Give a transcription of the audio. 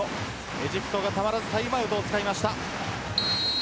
エジプトがたまらずタイムアウトを使いました。